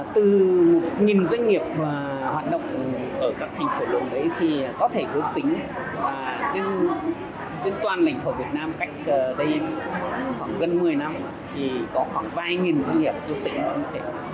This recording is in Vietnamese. từ một doanh nghiệp hoạt động ở các thành phố lớn đấy thì có thể ước tính trên toàn lãnh thổ việt nam cách đây khoảng gần một mươi năm thì có khoảng vài nghìn doanh nghiệp ước tính